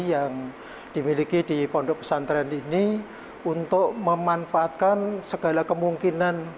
yang dimiliki di pondok pesantren ini untuk memanfaatkan segala kemungkinan